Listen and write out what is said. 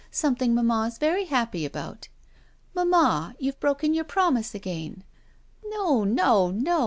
Something mamma is very happy about." "Mamma, you've broken your promise again." "No! No! No!